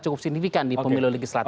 cukup signifikan di pemilu legislatif